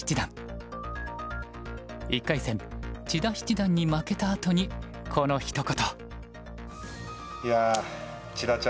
１回戦千田七段に負けたあとにこのひと言。